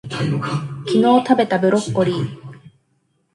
昨日たべたブロッコリー